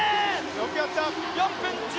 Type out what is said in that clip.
よくやった！